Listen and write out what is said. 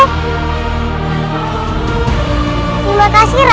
terima kasih raka